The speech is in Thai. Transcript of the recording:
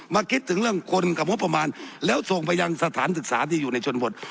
คิดถึงเรื่องคนกับงบประมาณแล้วส่งไปยังสถานศึกษาที่อยู่ในชนบท